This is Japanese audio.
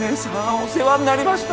お世話になりました。